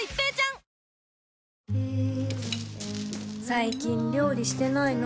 最近料理してないの？